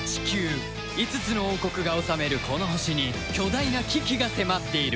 ５つの王国が治めるこの星に巨大な危機が迫っている